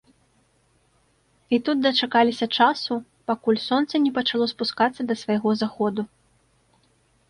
І тут дачакаліся часу, пакуль сонца не пачало спускацца да свайго заходу.